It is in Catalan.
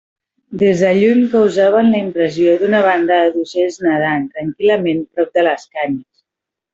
Des de lluny causaven la impressió d'una bandada d'ocells nadant tranquil·lament prop de les canyes.